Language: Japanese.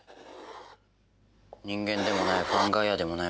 人間でもないファンガイアでもない